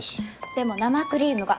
でも生クリームが。